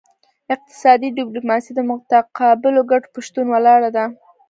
اقتصادي ډیپلوماسي د متقابلو ګټو په شتون ولاړه ده